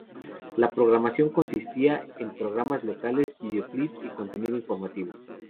La programación consistía en programas locales, videoclips y contenido informativo.